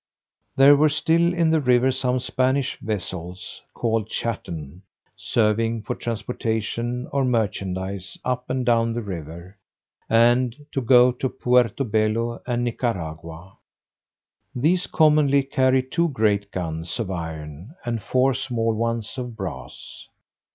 There were still in the river some Spanish vessels, called chatten, serving for transportation of merchandise up and down the river, and to go to Puerto Bello and Nicaragua. These commonly carry two great guns of iron, and four small ones of brass.